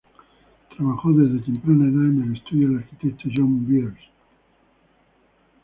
Trabajó desde temprana edad en el estudio del arquitecto John Byers.